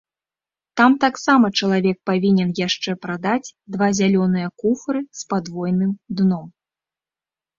Там таксама чалавек павінен яшчэ прадаць два зялёныя куфры з падвойным дном.